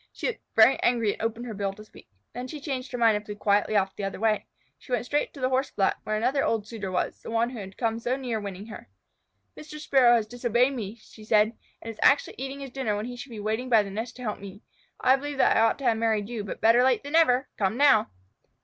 She looked very angry and opened her bill to speak. Then she changed her mind and flew quietly off the other way. She went straight to the Horse block, where another old suitor was, the one who had come so near winning her. "Mr. Sparrow has disobeyed me," she said, "and is actually eating his dinner when he should be waiting by the nest to help me. I believe that I ought to have married you, but better late than never. Come now."